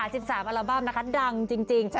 ๑๓อัลบั้มนะคะดังจริง